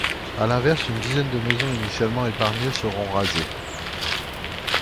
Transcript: À l’inverse, une dizaine de maisons initialement épargnées seront rasées.